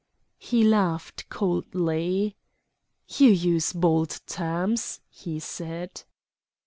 He laughed coldly. "You use bold terms," he said.